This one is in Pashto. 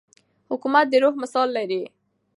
حکومت د روح مثال لري.